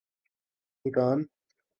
Bhutan